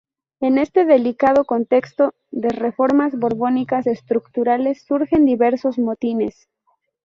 En este delicado contexto de reformas borbónicas estructurales surgen diversos motines.